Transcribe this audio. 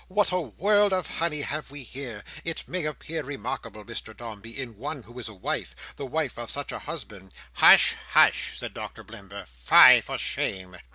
What a world of honey have we here. It may appear remarkable, Mr Dombey, in one who is a wife—the wife of such a husband—" "Hush, hush," said Doctor Blimber. "Fie for shame."